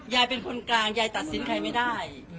ยายเป็นคนกลางยายตัดสินใครไม่ได้